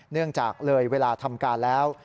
เนื่องจากเลยเวลาทำการแล้ว